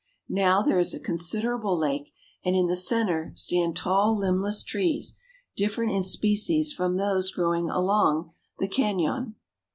Now there is a considerable lake, and in the center stand tall, limbless trees, different in species from those growing along the cañon.